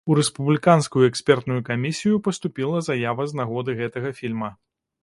У рэспубліканскую экспертную камісію паступіла заява з нагоды гэтага фільма.